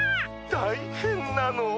たいへんなの。